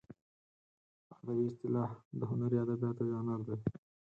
په ادبي اصطلاح د هنري ادبیاتو ژانر دی.